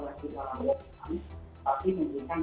yang kita lakukan tapi memberikan